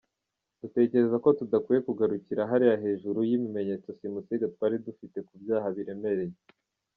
Dutekereza ko tudakwiye kugarukira hariya hejuru y’ibimenyetso simusiga twari dufite ku byaha biremereye.